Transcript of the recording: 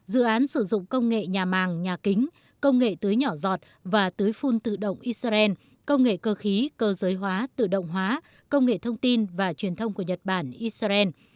dự án sử dụng công nghệ nhà màng nhà kính công nghệ tưới nhỏ giọt và tưới phun tự động israel công nghệ cơ khí cơ giới hóa tự động hóa công nghệ thông tin và truyền thông của nhật bản israel